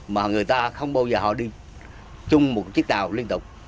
mà người ta không bao giờ họ đi chung một chiếc tàu liên tục